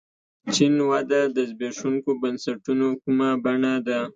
چین وده د زبېښونکو بنسټونو کومه بڼه ده.